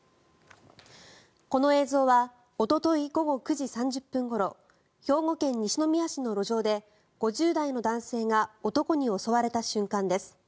この映像はおととい午後９時３０分ごろ兵庫県西宮市の路上で５０代の男性が男に襲われた瞬間です。